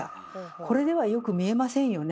これではよく見えませんよね。